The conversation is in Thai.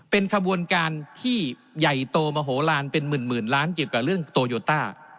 เป็นขบวนการที่ใหญ่โตมโหลานเป็นหมื่นล้านเกี่ยวกับเรื่องโตโยต้า